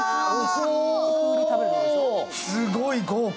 すごい豪華。